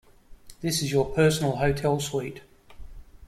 This is your personal hotel suite.